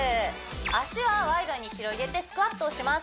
脚はワイドに広げてスクワットをします